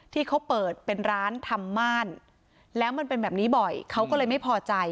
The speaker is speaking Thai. ที่เขาเปิดเป็นร้านทำม่านแล้วมันเป็นแบบนี้บ่อยเขาก็เลยไม่พอใจ